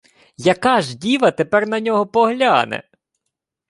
Яка ж діва тепер на нього погляне?